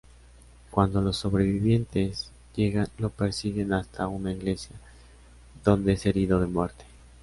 Cuando los sobrevivientes llegan lo persiguen hasta una iglesia, donde es herido de muerte.